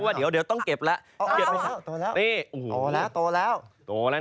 จะทันแล้วครับเดี๋ยวต้องเก็บแล้วโอ้โหโตแล้วโตแล้ว